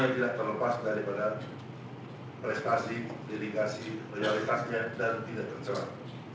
dan tidak terlepas daripada prestasi dedikasi realitasnya dan tidak tercerah